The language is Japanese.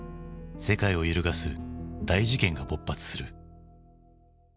世界を揺るがす大事件が勃発する。